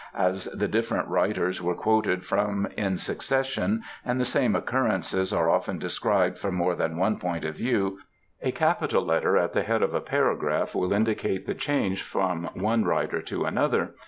As the different writers are quoted from in succession, and the same occurrences are often described from more than one point of view, a capital letter at the head of a paragraph will indicate the change from one writer to another.